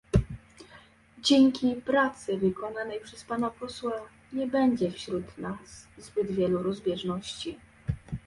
Dzięki pracy wykonanej przez pana posła nie będzie wśród nas zbyt wielu rozbieżności